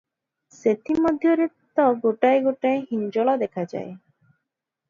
ସେଥି ମଧ୍ୟରେ ତ ଗୋଟାଏ ଗୋଟାଏ ହିଞ୍ଜଳ ଦେଖାଯାଏ ।